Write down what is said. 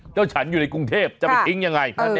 ฉันอยู่ในกรุงเทพจะไปทิ้งยังไง